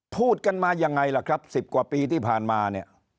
พูดกันมายังไงล่ะครับ๑๐กว่าปีที่ผ่านมาเนี่ย